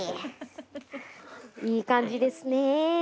いい感じですね。